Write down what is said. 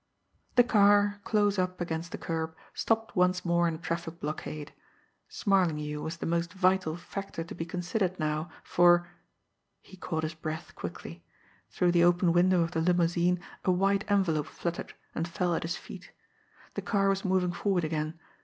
The car, close up against the curb, stopped once more in a traffic blockade. Smarlinghue was the most vital factor to be considered now, for he caught his breath quickly. Through the open window of the limousine a white envelope fluttered and fell at his feet. The car was moving forward again.